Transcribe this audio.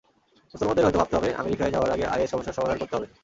মুসলমানদের হয়তো ভাবতে হবে, আমেরিকায় যাওয়ার আগে আইএস সমস্যার সমাধান করতে হবে।